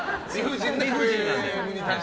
理不尽なんで。